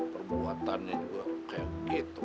perbuatannya juga kayak gitu